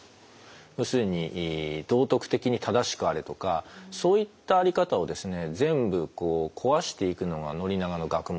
要するに道徳的に正しくあれとかそういった在り方を全部壊していくのが宣長の学問なんですね。